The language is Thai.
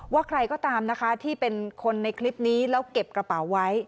ว่าใครก็ตามนะคะที่เป็นคนในคลิปนี้แล้วเก็บกระเป๋าไว้